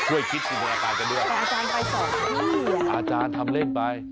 ช่วยคิดกับตัวอาจารย์กันด้วย